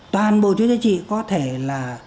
toàn bộ chất giá trị có thể là